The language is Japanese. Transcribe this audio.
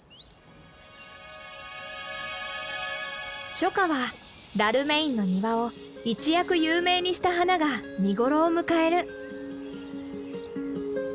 初夏はダルメインの庭を一躍有名にした花が見頃を迎える。